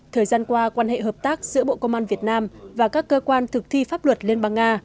thời gian qua quan hệ hợp tác giữa bộ công an việt nam và các cơ quan thực thi pháp luật liên bang nga